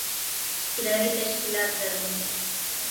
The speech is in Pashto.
ادارې تشکیلات درلودل.